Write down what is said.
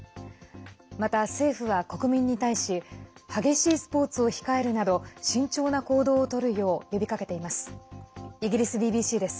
また、政府は国民に対し激しいスポーツを控えるなど慎重な行動をとるよう呼びかけています。